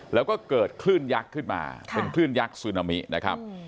แล้วก็เกิดคลื่นยักษ์ขึ้นมาเป็นคลื่นยักษ์ซึนามินะครับ